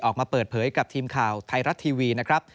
ออกมาเปิดเผยกับทีมข่าวไทยรัฐทีวีนะครับ